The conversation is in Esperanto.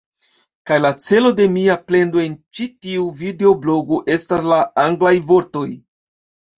Kaj la celo de mia plendo en ĉi tiu videoblogo estas la anglaj vortoj